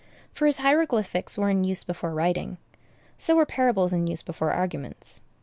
For as hieroglyphics were in use before writing, so were parables in use before arguments.